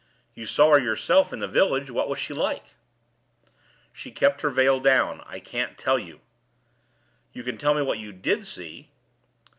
"You saw her yourself in the village. What was she like?" "She kept her veil down. I can't tell you." "You can tell me what you did see?"